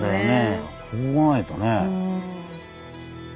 ここ来ないとね。